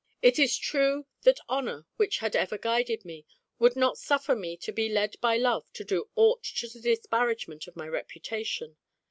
It is true that 190 THE HEPTAMERON. honour, which had ever guided me, would not suffer me to be led by love to do aught to the disparagement of my reputation.